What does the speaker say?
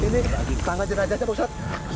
ini tangan jenazahnya pak ustadz